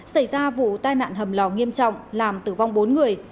xảy ra vụ tai nạn hầm lò nghiêm trọng làm tử vong bốn người